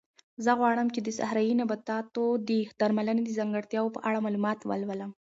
زه غواړم چې د صحرایي نباتاتو د درملنې د ځانګړتیاوو په اړه معلومات ولولم.